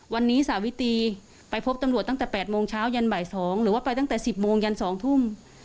วันนี้สาวิตีไปพบตำรวจตั้งแต่๘โมงเช้ายันบ่าย๒หรือว่าไปตั้งแต่๑๐โมงยัน๒ทุ่ม